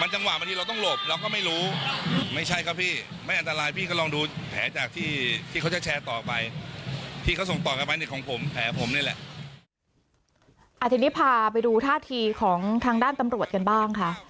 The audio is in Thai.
ทีนี้พาไปดูท่าทีของทางด้านตำรวจกันบ้างค่ะ